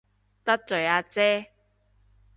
得罪阿姐